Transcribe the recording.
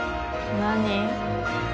何？